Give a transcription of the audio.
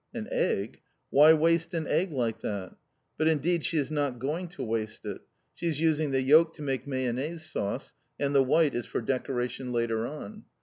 An egg! Why waste an egg like that? But indeed, she is not going to waste it. She is using the yolk to make mayonnaise sauce, and the white is for decoration later on.